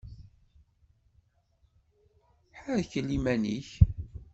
Ḥerkel iman-ik!